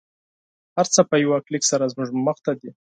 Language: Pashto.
هر څه په یوه کلیک سره زموږ مخته دی